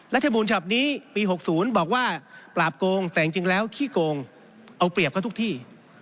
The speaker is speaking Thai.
บุญฉบับนี้ปี๖๐บอกว่าปราบโกงแต่จริงแล้วขี้โกงเอาเปรียบเขาทุกที่